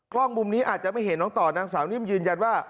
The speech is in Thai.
กล้องมุมนี้อาจจะไม่เห็นน้องต่อนางสาวนิ่มยืนยันว่า